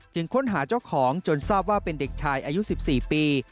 ค้นหาเจ้าของจนทราบว่าเป็นเด็กชายอายุ๑๔ปี